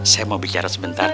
saya mau bicara sebentar